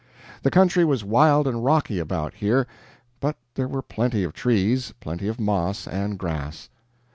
The country was wild and rocky about here, but there were plenty of trees, plenty of moss, and grass.